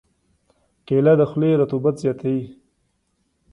کېله د خولې رطوبت زیاتوي.